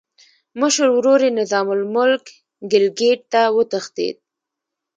مشر ورور یې نظام الملک ګیلګیت ته وتښتېد.